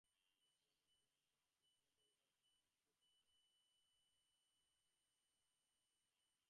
যেখানে কোন গুণ নাই, সেখানে কেবল এক বস্তুই থাকিতে পারে।